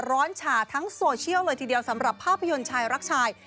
ฉาทั้งโซเชียลเลยทีเดียวสำหรับภาพยนตร์ชายรักชาย